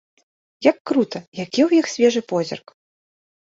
Як крута, які ў іх свежы позірк!